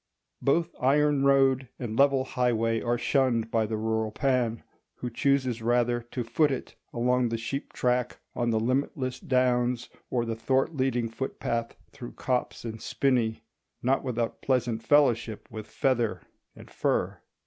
Both iron road and level highway are shunned by the rural Pan, who chooses rather to foot it along the sheep track on the limitless downs or the thwart leading footpath through copse and spinney, not without pleasant fellowship with feather and fir.